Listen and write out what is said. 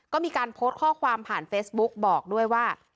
ก็มีการโพสต์ข้อความผ่านเฟซบุ๊กบอกด้วยว่า